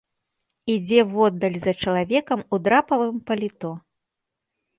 Ідзе воддаль за чалавекам у драпавым паліто.